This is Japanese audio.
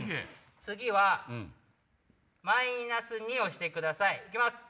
次はマイナス２をしてください行きます！